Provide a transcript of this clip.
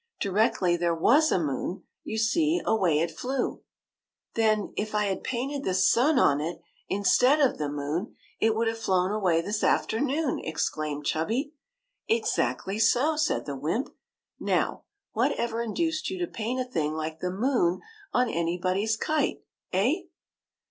Directly there was a moon, you see, away it flew." '' Then, if I had painted the sun on it, instead of the moon, it would have flown away this afternoon !" exclaimed Chubby. " Exactly so," said the wymp. '' Now, what ever induced you to paint a thing like the moon on anybody's kite, eh